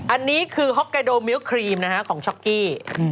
อันนี้คือฮอกไกโดมิ้วครีมนะฮะของช็อกกี้